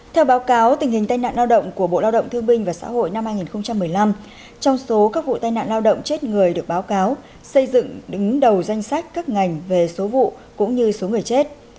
theo báo cáo tình hình tai nạn lao động của bộ lao động thương binh và xã hội năm hai nghìn một mươi năm trong số các vụ tai nạn lao động chết người được báo cáo xây dựng đứng đầu danh sách các ngành về số vụ cũng như số người chết